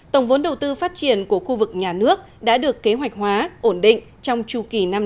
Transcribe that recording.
tổng vốn đầu tư phát triển của khu vực nhà nước đã được kế hoạch hóa ổn định trong chu kỳ năm năm